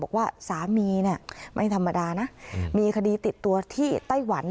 บอกว่าสามีเนี่ยไม่ธรรมดานะมีคดีติดตัวที่ไต้หวัน